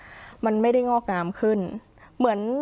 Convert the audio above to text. เพราะฉะนั้นทำไมถึงต้องทำภาพจำในโรงเรียนให้เหมือนกัน